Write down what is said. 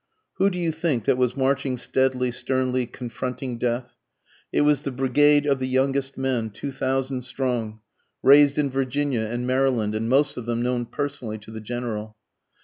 Who do you think that was marching steadily sternly confronting death? It was the brigade of the youngest men, two thousand strong, Raised in Virginia and Maryland, and most of them known personally to the General.